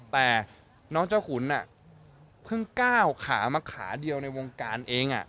แต่น้องเจ้าขุนเพิ่งก้าวขามาขาเดียวในวงการเอง